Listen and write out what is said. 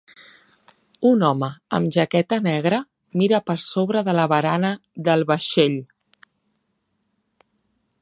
Un home amb jaqueta negra mira per sobre de la barana del vaixell.